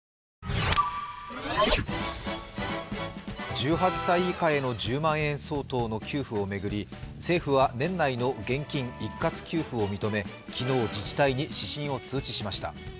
１８歳以下への１０万円相当の給付を巡り政府は年内の現金一括給付を認め昨日、自治体に指針を通知しました。